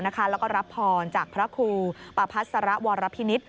แล้วก็รับพรจากพระครูประพัสรวรพินิษฐ